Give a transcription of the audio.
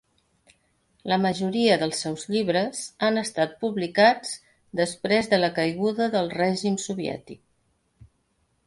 La majoria dels seus llibres han estat publicats després de la caiguda del règim soviètic.